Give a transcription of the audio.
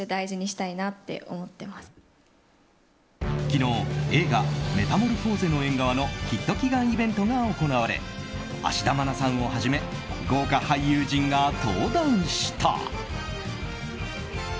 昨日、映画「メタモルフォーゼの縁側」のヒット祈願イベントが行われ芦田愛菜さんをはじめ豪快俳優陣が登壇した。